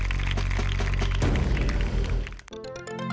สวัสดีครับ